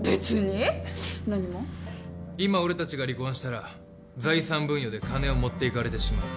今俺たちが離婚したら財産分与で金を持っていかれてしまう。